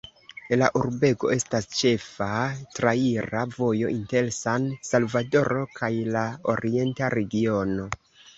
La urbego estas ĉefa traira vojo inter San-Salvadoro kaj la orienta regiono.